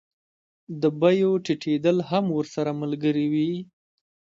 د بیو ټیټېدل هم ورسره ملګري وي